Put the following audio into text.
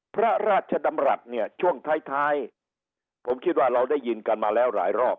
พระราชดำรัฐเนี่ยช่วงท้ายผมคิดว่าเราได้ยินกันมาแล้วหลายรอบ